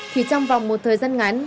thì trong vòng một thời gian ngắn